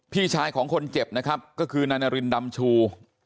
พี่ชายของคนเจ็บนะครับก็คือนายนารินดำชู